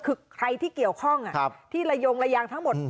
คือใครที่เกี่ยวข้องที่ระยงระยางทั้งหมด